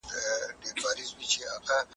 دولتي پلان د شخصي پلانونو تر اغېز لوړ دی.